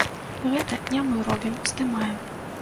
Гэта не мы робім, здымаем.